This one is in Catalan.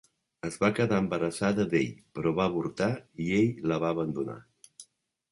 Es va quedar embarassada d'ell, però va avortar i ell la va abandonar.